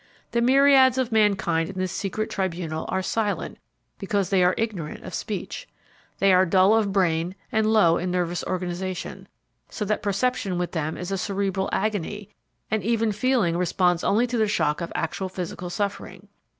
The myriads of mankind in this secret tribunal are silent because they are ignorant of speech. They are dull of brain and low in nervous organization, so that perception with them is a cerebral agony and even feeling responds only to the shock of actual physical suffering.